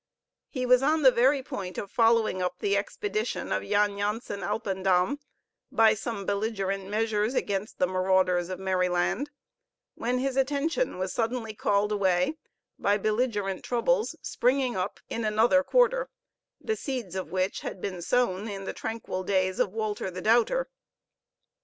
He was on the very point of following up the expedition of Jan Jansen Alpendam by some belligerent measures against the marauders of Merryland, when his attention was suddenly called away by belligerent troubles springing up in another quarter, the seeds of which had been sown in the tranquil days of Walter the Doubter.